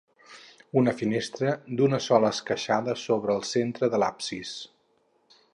Una finestra d'una sola esqueixada s'obre al centre de l'absis.